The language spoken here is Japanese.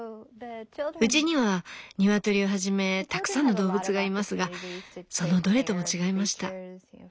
うちにはニワトリをはじめたくさんの動物がいますがそのどれとも違いました。